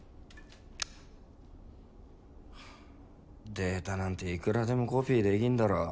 データなんていくらでもコピーできんだろ。